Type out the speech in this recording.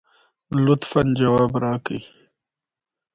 ننګرهار د افغانستان د ځانګړي ډول جغرافیه استازیتوب کوي.